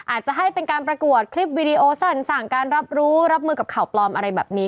อาจจะให้เป็นการประกวดคลิปวิดีโอสั่นสั่งการรับรู้รับมือกับข่าวปลอมอะไรแบบนี้